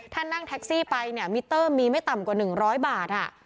ถ้านั่งแท็กซี่ไปเนี่ยมิเตอร์มีไม่ต่ำกว่า๑๐๐บาท